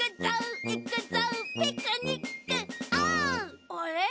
あれ？